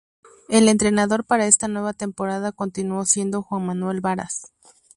El entrenador para esta nueva temporada continuó siendo Juan Manuel Varas.